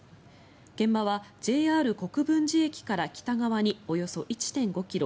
現場はＪＲ国分寺駅から北側におよそ１．５ｋｍ